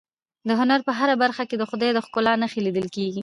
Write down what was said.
د هنر په هره برخه کې د خدای ج د ښکلا نښې لیدل کېږي.